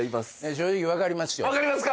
正直分かりますよ。